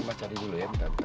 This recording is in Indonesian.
mas cari dulu ya bentar bentar